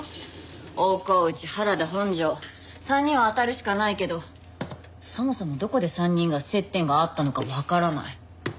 大河内原田本条３人を当たるしかないけどそもそもどこで３人が接点があったのかわからない。